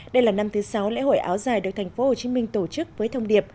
đây là năm thứ sáu lễ hội áo dài được tp hcm tổ chức với thông điệp